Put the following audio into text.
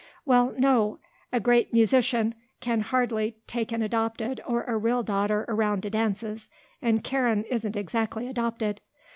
"Well, no; a great musician could hardly take an adopted or a real daughter around to dances; and Karen isn't exactly adopted."